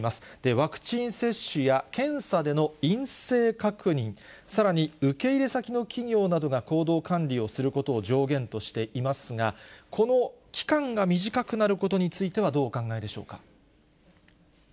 ワクチン接種や検査での陰性確認、さらに受け入れ先の企業などが行動管理をすることを条件としていますが、この期間が短くなることについてはどうお考えでしょうか。